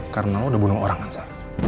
karena lo udah bunuh orang kan sa